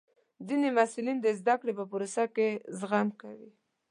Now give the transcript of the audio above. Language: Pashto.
ځینې محصلین د زده کړې په پروسه کې زغم کوي.